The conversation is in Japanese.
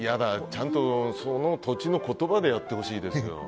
ちゃんとその土地の言葉でやってほしいですよ。